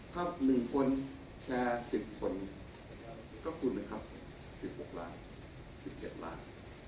ถ้า๑คนแชร์๑๐คนก็คุณนะครับ๑๖ล้าน๑๗ล้าน